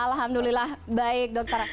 alhamdulillah baik dokter